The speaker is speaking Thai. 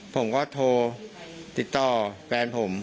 ผมก็โทรติดต่อแฟนผม